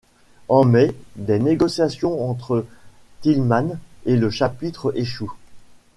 En mai des négociations entre Thilmann et le chapitre échouent.